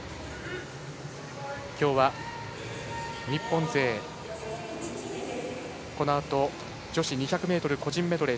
今日は日本勢、このあと女子２００ｍ個人メドレー